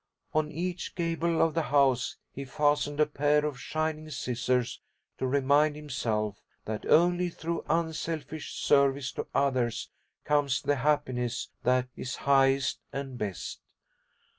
On each gable of the house he fastened a pair of shining scissors to remind himself that only through unselfish service to others comes the happiness that is highest and best.